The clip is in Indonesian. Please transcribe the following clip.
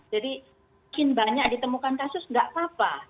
jadi mungkin banyak ditemukan kasus enggak apa apa